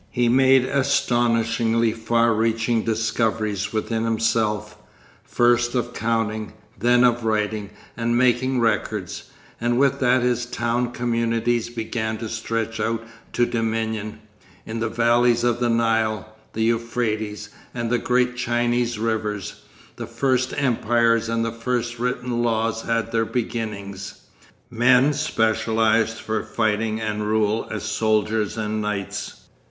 He made astonishingly far reaching discoveries within himself, first of counting and then of writing and making records, and with that his town communities began to stretch out to dominion; in the valleys of the Nile, the Euphrates, and the great Chinese rivers, the first empires and the first written laws had their beginnings. Men specialised for fighting and rule as soldiers and knights.